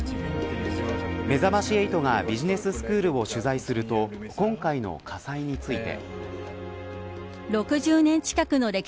めざまし８がビジネススクールを取材すると今回の火災について。